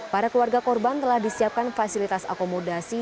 para keluarga korban telah disiapkan fasilitas akomodasi